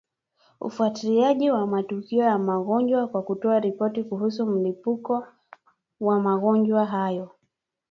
ufuatiliaji wa matukio ya magonjwa kwa kutoa ripoti kuhusu milipuko ya magonjwa hayo